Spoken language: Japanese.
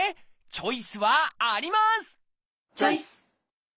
チョイス！